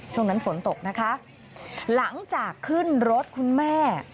ช่วงนั้นฝนตกนะคะหลังจากขึ้นรถคุณแม่